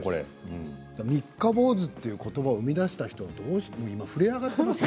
三日坊主ということばを生み出した人が今震え上がっていますよ。